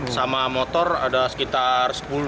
sama motor ada sekitar sepuluh